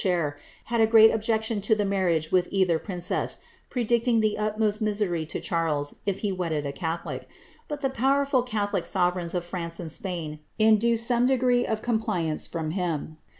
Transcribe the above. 2 11 HBNSIBTTA MARIA* chair, had a great ohjection to the marriage with either princeast pre dicting the utmost misery to Charles if he wedded a catholic ; hut the powerful catholic sovereigns of France and Spain induced some degree of compliance from him.